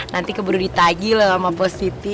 nanti keburu ditagi loh sama positi